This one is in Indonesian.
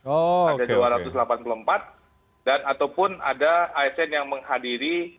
ada dua ratus delapan puluh empat dan ataupun ada asn yang menghadiri